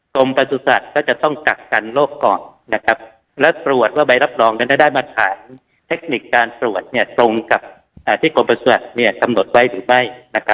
ประสุทธิ์ก็จะต้องกักกันโรคก่อนและตรวจว่าใบรับรองนั้นได้มาตรฐานเทคนิคการตรวจตรงกับที่กรมประสุทธิ์กำหนดไว้หรือไม่